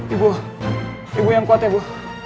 ibu ibu yang kuat ya bu